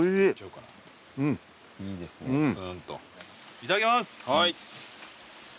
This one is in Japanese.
いただきます！